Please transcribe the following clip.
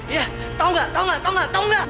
iya tau gak tau gak tau gak tau gak